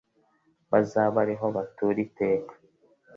bazabe ari ho batura iteka